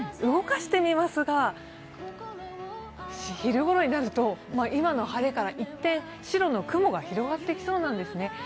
動かしてみますが昼ごろになると今の晴れから一転、白の雲が広がってきそうなんですね。